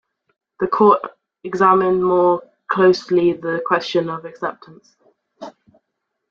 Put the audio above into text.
The court examined more closely the question of acceptance.